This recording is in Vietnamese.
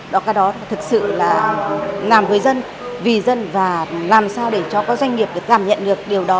đó cái đó thực sự là làm với dân vì dân và làm sao để cho các doanh nghiệp được cảm nhận được điều đó